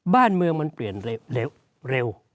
บ้านเมืองมันเปลี่ยนเร็ว